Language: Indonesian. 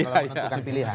kalau menentukan pilihan